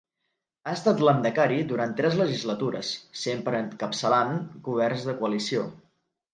Ha estat Lehendakari durant tres legislatures, sempre encapçalant governs de coalició.